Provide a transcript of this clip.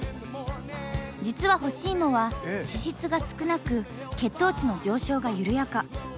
実は干し芋は脂質が少なく血糖値の上昇が緩やか。